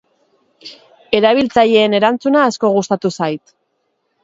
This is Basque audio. Erabiltzaileen erantzuna asko gustatu zait.